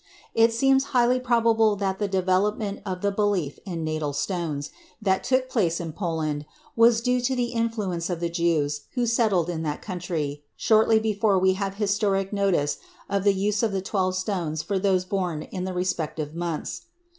It seems highly probable that the development of the belief in natal stones that took place in Poland was due to the influence of the Jews who settled in that country shortly before we have historic notice of the use of the twelve stones for those born in the respective months.